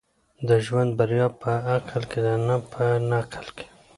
د ژوند بريا په عقل کي ده، نه په نقل کي.